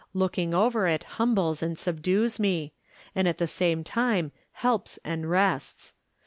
Looking oyer it hum bles and subdues me, and at the same time helps and rests.